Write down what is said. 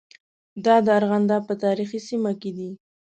دا د ارغنداب په تاریخي سیمه کې دي.